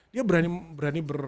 dia berani ber